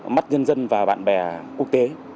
mắt nhân dân và bạn bè quốc tế